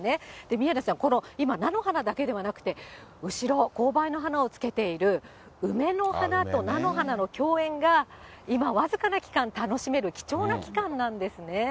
宮根さん、今、菜の花だけではなくて、後ろ、紅梅の花をつけている梅の花と菜の花の共演が、今、僅かな期間楽しめる、貴重な期間なんですね。